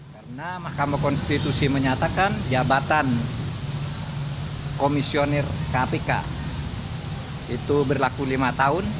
karena mahkamah konstitusi menyatakan jabatan komisioner kpk itu berlaku lima tahun